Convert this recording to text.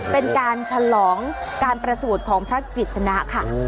เป็นการฉลองการประสูจน์ของพระกฤษณะค่ะ